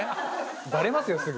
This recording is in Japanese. バレますよすぐ。